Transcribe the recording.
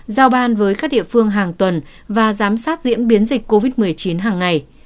giao ban với các địa phương hàng tuần và giám sát diễn biến dịch covid một mươi chín hàng ngày